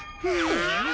ああ？